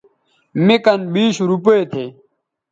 مے کن بیش روپے تھے